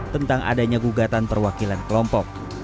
tentang adanya gugatan perwakilan kelompok